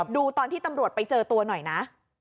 ดูตอนที่ตำรวจไปเจอตัวหน่อยนะ